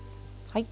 はい。